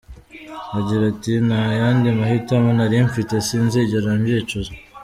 Agira ati “Nta yandi mahitamo nari mfite, sinzigera mbyicuza!”.